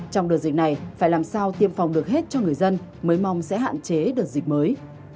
trong đợt dịch này phải làm sao tiêm phòng được hết cho người dân mới mong sẽ hạn chế đợt dịch mới